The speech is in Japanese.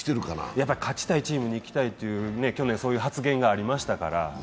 やっぱり勝ちたいチームに行きたいという発言が去年ありましたから。